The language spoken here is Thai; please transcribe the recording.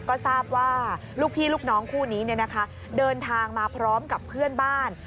ก็ทราบว่าลูกพี่ลูกน้องคู่นี้เดินทางมาพร้อมกับเพื่อนบ้าน